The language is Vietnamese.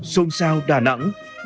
xuân sao đà nẵng